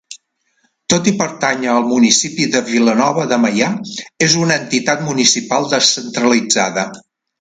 Tot i pertànyer al municipi de Vilanova de Meià, és una entitat municipal descentralitzada.